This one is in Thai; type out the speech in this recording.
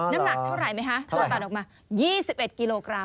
น้ำหนักเท่าไหร่ไหมคะโดนตัดออกมา๒๑กิโลกรัม